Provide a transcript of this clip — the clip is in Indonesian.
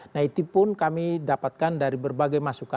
nah itupun kami dapatkan dari berbagai masyarakat